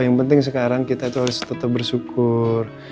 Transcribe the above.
yang penting sekarang kita itu harus tetap bersyukur